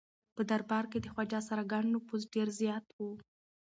په دربار کې د خواجه سراګانو نفوذ ډېر زیات و.